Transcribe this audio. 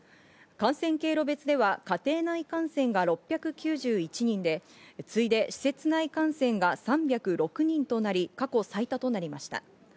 感染経路別では家庭内感染が６９１人で、次いで施設内感染が３０６人となり、過去最多となりました。